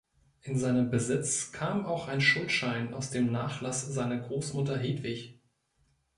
In seinen Besitz kam auch ein Schuldschein aus dem Nachlass seiner Großmutter Hedwig.